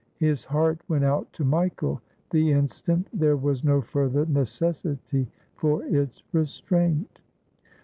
His heart went out to Michael the instant there was no further necessity for its restraint.